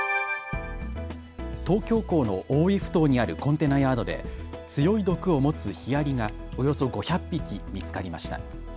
東京港の大井ふ頭にあるコンテナヤードで強い毒を持つヒアリがおよそ５００匹見つかりました。